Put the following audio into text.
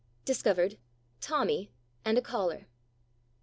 Discovered — Tommy and a Caller.